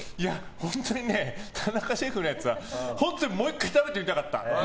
本当にね、田中シェフのやつは本当にもう１回食べてみたかった。